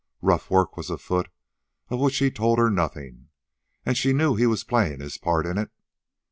Rough work was afoot, of which he told her nothing, and she knew he was playing his part in it.